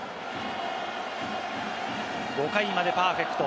５回までパーフェクト。